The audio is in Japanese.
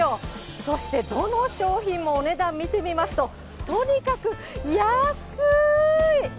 そして、どの商品も、お値段見てみますと、とにかく安い！